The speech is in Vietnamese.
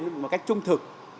mình phải làm bằng cách trung thực